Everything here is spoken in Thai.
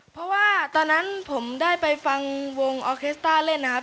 เพราะว่าตอนนั้นผมได้ไปฟังวงออเคสต้าเล่นนะครับ